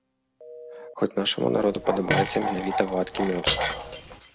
Хоць нашаму народу падабаецца менавіта вадкі мёд.